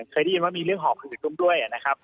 เคยได้ยินว่ามีเรื่องหอบขืนตุ้มด้วยนะครับ